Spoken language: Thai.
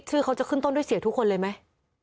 ชื่อเขาจะขึ้นต้นด้วยเสียทุกคนเลยไหม